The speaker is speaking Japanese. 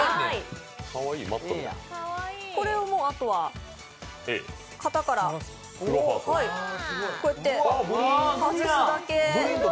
これをあとは型からこうやって外すだけ。